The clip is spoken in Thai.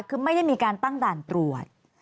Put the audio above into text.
คือไม่ได้มีการตั้งด่านตรวจ